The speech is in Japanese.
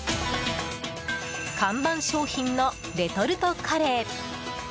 看板商品のレトルトカレー。